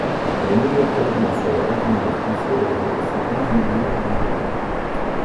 Les nouveaux prélèvements sur les revenus des Français devraient dépasser douze milliards l’année prochaine.